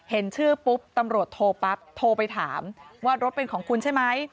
เห็นชื่อปุ๊บตำรวจโทรปั๊บโทรไปถามว่ารถเป็นของคุณใช่ไหม